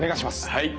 はい。